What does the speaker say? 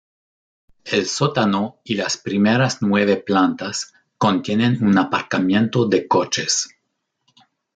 El sótano y las primeras nueve plantas contienen un aparcamiento de coches.